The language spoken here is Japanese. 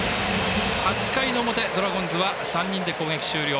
８回の表、ドラゴンズは３人で攻撃終了。